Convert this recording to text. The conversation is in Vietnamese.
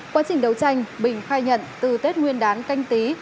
quá trình đấu tranh bình khai nhận từ tết nguyên đán canh tí